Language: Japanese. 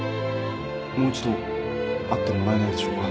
もう一度会ってもらえないでしょうか？